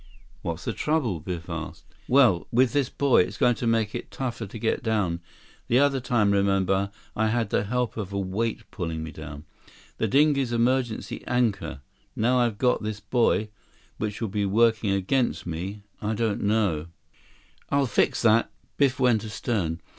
"What's the trouble?" Biff asked. "Well, with this buoy, it's going to make it tougher to get down. The other time, remember, I had the help of a weight pulling me down—the dinghy's emergency anchor. Now I've got this buoy, which will be working against me. I don't know—" 146 "I'll fix that." Biff went astern.